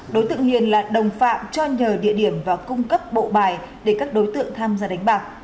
đối tượng hiền là đồng phạm cho nhờ địa điểm và cung cấp bộ bài để các đối tượng tham gia đánh bạc